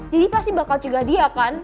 pasti bakal cegah dia kan